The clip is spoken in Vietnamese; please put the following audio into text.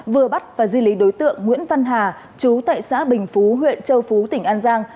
vừa bắt và di lý đối tượng nguyễn văn hà chú tại xã bình phú huyện châu phú tỉnh an giang